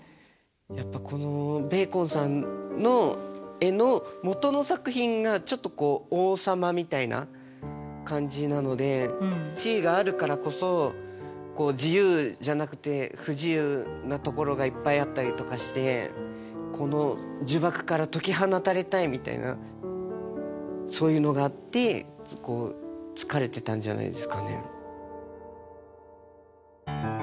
やっぱこのベーコンさんの絵の元の作品がちょっとこう王様みたいな感じなので地位があるからこそ自由じゃなくて不自由なところがいっぱいあったりとかしてこの呪縛から解き放たれたいみたいなそういうのがあって疲れてたんじゃないですかね。